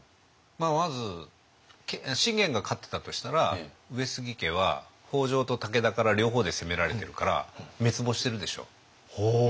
まず信玄が勝ってたとしたら上杉家は北条と武田から両方で攻められてるから滅亡してるでしょ。